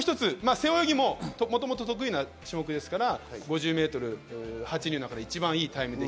背泳ぎも、もともと得意な種目ですから、５０ｍ、８人の中で一番いいタイム。